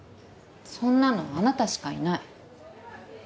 そんなのあなたしかいない。